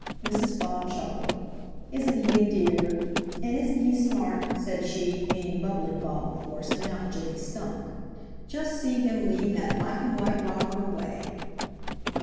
Mrs. Bob chuckled. "Isn't he a dear? And isn't he smart?" said she, meaning Bubbling Bob, of course, and not Jimmy Skunk. "Just see him lead that black and white robber away."